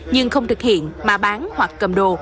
nhưng không thực hiện mà bán hoặc cầm đồ